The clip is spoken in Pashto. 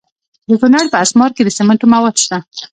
د کونړ په اسمار کې د سمنټو مواد شته.